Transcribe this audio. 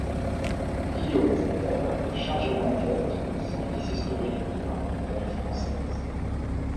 Guillaume Zeller a été chargé d'enquêtes au service historique de l'Armée de Terre française.